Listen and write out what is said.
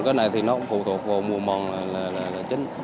cái này thì nó cũng phụ thuộc vào mùa mòn này là chính